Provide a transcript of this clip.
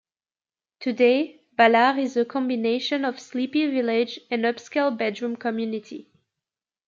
Today, Ballard is a combination of sleepy village and upscale bedroom community.